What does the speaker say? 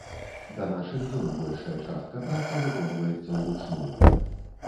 Да нашых дзён большая частка працы выконваецца ўручную.